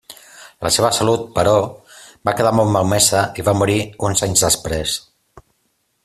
La seva salut, però, va quedar molt malmesa i va morir uns anys després.